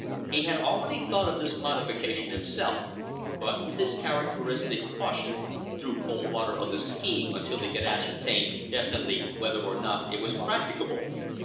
He had already thought of this modification himself, but with his characteristic caution, threw cold water on the scheme until he could ascertain definitely whether or not it was practicable.